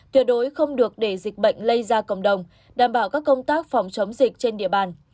tuyệt đối không được để dịch bệnh lây ra cộng đồng đảm bảo các công tác phòng chống dịch trên địa bàn